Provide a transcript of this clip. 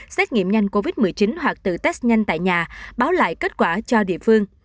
xét nghiệm nhanh covid một mươi chín hoặc tự test nhanh tại nhà báo lại kết quả cho địa phương